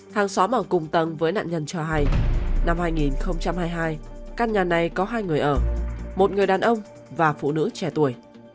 hàng xóm ở cùng tầng với nạn nhân cho hay năm hai nghìn hai mươi hai căn nhà này có hai người ở một người đàn ông và phụ nữ trẻ tuổi